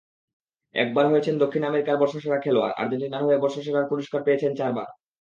একবার হয়েছেন দক্ষিণ আমেরিকার বর্ষসেরা খেলোয়াড়, আর্জেন্টিনার হয়ে বর্ষসেরার পুরস্কার পেয়েছেন চারবার।